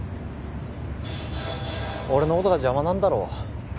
俺のことが邪魔なんだろう